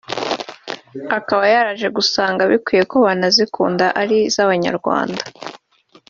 akaba yaraje gusanga bikwiye ko banazikunda ari iz’abanyarwanda